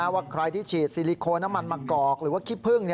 ว่าใครที่ฉีดซิลิโคนน้ำมันมะกอกหรือว่าขี้พึ่ง